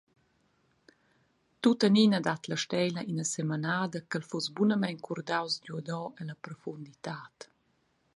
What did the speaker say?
Tuttenina dat la steila ina semenada ch’el fuss bunamein curdaus giuado ella profunditad.